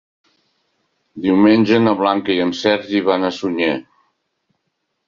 Diumenge na Blanca i en Sergi van a Sunyer.